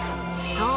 そう！